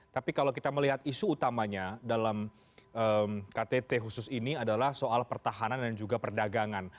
tapi kalau kita melihat isu utamanya dalam ktt khusus ini adalah soal pertahanan dan juga perdagangan